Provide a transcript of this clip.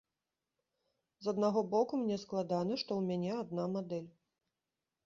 З аднаго боку мне складана, што ў мяне адна мадэль.